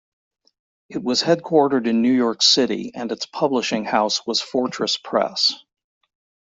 It was headquartered in New York City and its publishing house was Fortress Press.